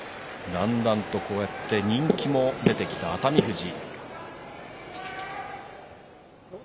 だんだんとこうやって人気も出てきた熱海富士。